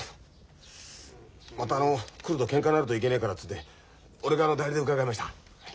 また来るとけんかになるといけねえからっつうんで俺が代理で伺いました。